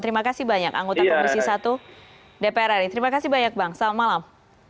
terima kasih banyak anggota komisi satu dpr ri terima kasih banyak bang selamat malam